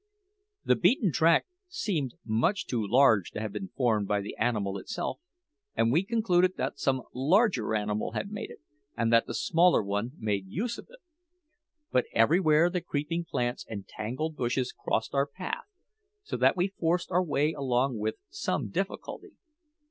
The beaten track seemed much too large to have been formed by the animal itself, and we concluded that some larger animal had made it, and that the smaller one made use of it. But everywhere the creeping plants and tangled bushes crossed our path, so that we forced our way along with some difficulty.